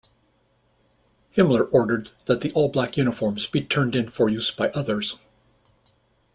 Himmler ordered that the all-black uniforms be turned in for use by others.